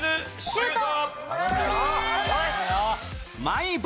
シュート！